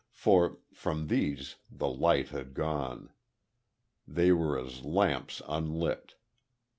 For, from these the light had gone. They were as lamps unlit.